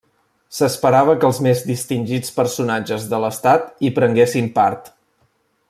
S'esperava que els més distingits personatges de l'estat hi prenguessin part.